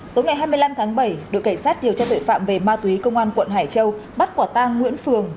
tối ngày hai mươi năm tháng bảy đội cảnh sát điều tra tuệ phạm về ma túy công an quận hải châu bắt quả tang nguyễn phường